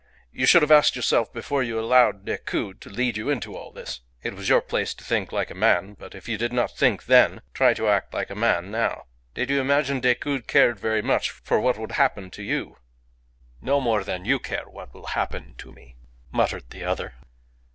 You should have asked yourself before you allowed Decoud to lead you into all this. It was your place to think like a man; but if you did not think then, try to act like a man now. Did you imagine Decoud cared very much for what would happen to you?" "No more than you care for what will happen to me," muttered the other.